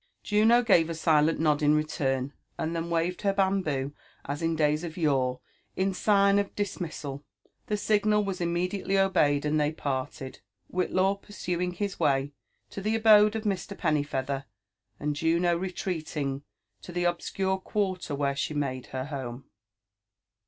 Juno gave a silent nod in return, and then waved her bamboo, m in days of yore, in sign of dismissal. The signal was immediafelf obeyed, and they parted ; Whillaw pursuing his way to (he abode of Mr. Pennyfealher, and Juno retreating to the obseure quarter whef« ahe made her home.